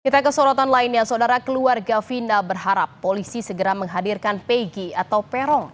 kita ke sorotan lainnya saudara keluarga vina berharap polisi segera menghadirkan pegi atau peron